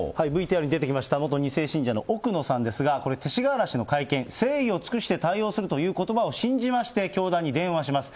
ＶＴＲに出てきました、元２世信者の奥野さんですが、これ勅使河原氏の会見、誠意を尽くして対応するということばを信じまして、教団に電話します。